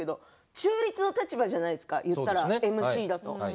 中立の立場じゃないですかＭＣだと。